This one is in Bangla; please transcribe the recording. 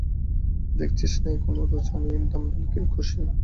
দেখছিসনে এখনও রোজ আমি ডামবেল কষি।